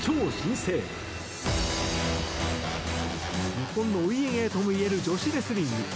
日本のお家芸ともいえる女子レスリング。